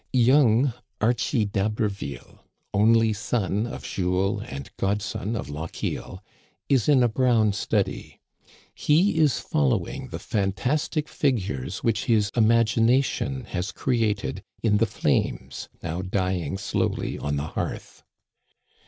Young Archie d'Haberville, only son of Jules and godson of Lochiel, is in a brown study. He is following the fantastic figures which his imagination has created in the flames now dying slowly on the hearth.